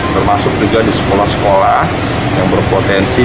termasuk juga di sekolah sekolah yang berpotensi